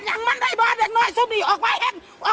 อย่างมันได้บ้าเด็กน้อยซุปนี่ออกมาเฮ็ดออกมาจับมันเดี๋ยวเนี่ย